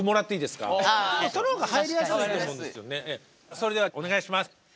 それではお願いします。